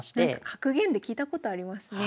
格言で聞いたことありますね。